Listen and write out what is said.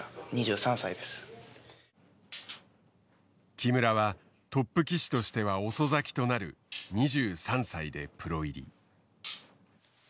木村はトップ棋士としては遅咲きとなる２３歳でプロ入り。